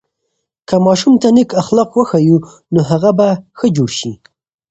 که ماشوم ته نیک اخلاق وښیو، نو هغه به ښه جوړ سي.